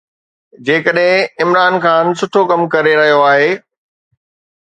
جيڪڏهن عمران خان سٺو ڪم ڪري رهيو آهي.